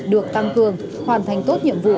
được tăng cường hoàn thành tốt nhiệm vụ